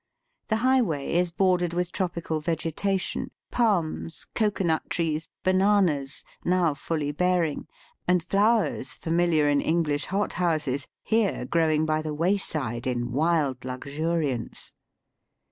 The highway is bordered with tropical vegetation — palms, cocoa nut trees, bananas, now fully bearing, and flowers, familiar in English hothouses, here growing by the way side in wild luxuriance.